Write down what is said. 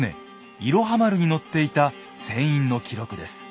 「いろは丸」に乗っていた船員の記録です。